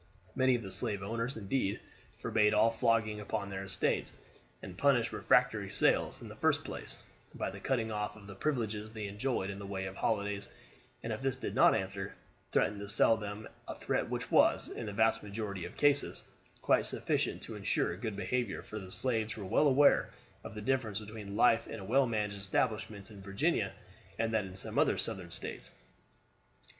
Many of the slave owners, indeed, forbade all flogging upon their estates, and punished refractory slaves, in the first place, by the cutting off of the privileges they enjoyed in the way of holidays, and if this did not answer, threatened to sell them a threat which was, in the vast majority of cases, quite sufficient to ensure good behavior; for the slaves were well aware of the difference between life in the well managed establishments in Virginia and that in some of the other Southern States.